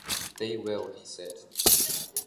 “They will,” he said.